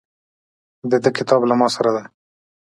د ده کتاب له ماسره ده.